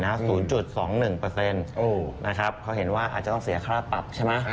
เพราะเห็นว่าอาจจะต้องเสียค่าปรับใช่ไหม